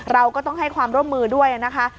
เราก็ต้องให้ความร่วมมือด้วยนะคะ